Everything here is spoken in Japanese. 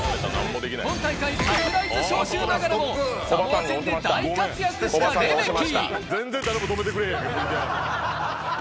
今大会サプライズ招集ながらも、サモア戦で大活躍したレメキ。